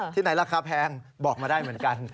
ที่ไหนราคาแพงบอกมาได้เหมือนกัน